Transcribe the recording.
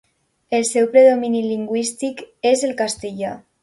El seu predomini lingüístic és el castellà.